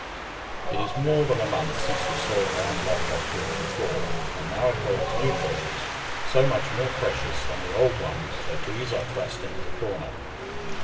It is more than a month since we saw her unlock that drawer before, and now it holds new treasures, so much more precious than the old ones that these are thrust into the corner.